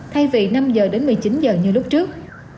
thay vì năm giờ đến một mươi chín giờ như lúc trước